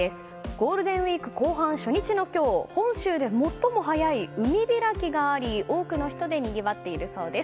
ゴールデンウィーク後半初日の今日本州で最も早い海開きがあり多くの人でにぎわっているそうです。